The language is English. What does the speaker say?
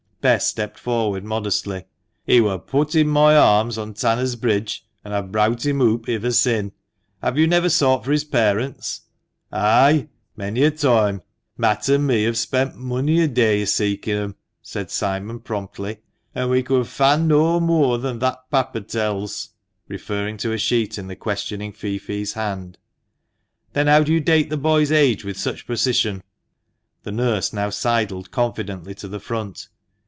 Bess stepped forward modestly. " He wur put i' moi arms on Tanners' Bridge, an' aw've browt him oop ivver sin'." " Have you never sought for his parents ?" "Ay, mony a toime. Matt an' me have spent mony a day i' seekin' 'em," said Simon promptly, an' we could fand no moore than that papper tells" — referring to a sheet in the questioning feoffee's hand. " Then how do you date the boy's age with such precision ?'' The nurse now sidled confidently to the front.